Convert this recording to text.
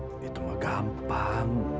oh itu mah gampang